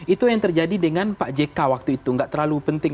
itu yang terjadi dengan pak jk waktu itu gak terlalu penting